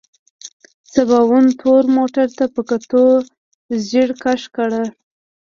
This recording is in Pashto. سباوون تور موټر ته په کتو ږيرې کش کړ.